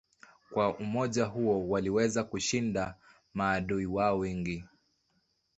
Kwa umoja huo waliweza kushinda maadui wao wengi.